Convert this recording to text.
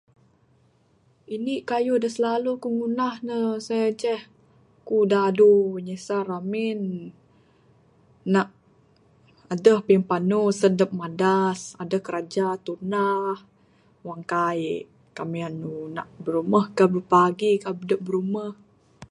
Indi'k kayuh da slalu ku ngundah ne se ceh, ku dadu ngisan ramin. Nak aduh pimpamu san adup madas, aduh kraja tundah. Wang kai'k, kamiandu nak birumuh, kah birupagi kah adup birumuh.